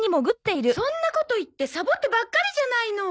そんなこと言ってサボってばっかりじゃないの！